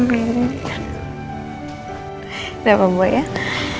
selamat tidur sayang